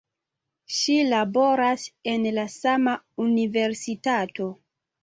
Ŝi laboras en la sama universitato.